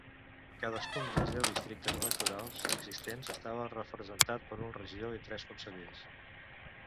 Cadascun dels deu districtes electorals existents estava representat per un regidor i tres consellers.